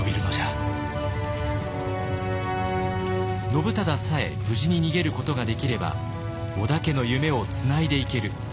信忠さえ無事に逃げることができれば織田家の夢をつないでいける。